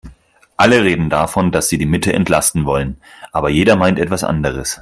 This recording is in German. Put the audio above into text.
Alle reden davon, dass sie die Mitte entlasten wollen, aber jeder meint etwas anderes.